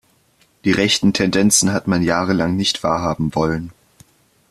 Die rechten Tendenzen hat man jahrelang nicht wahrhaben wollen.